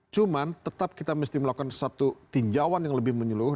cuman tetap kita mesti melakukan satu tinjauan yang lebih menyeluruh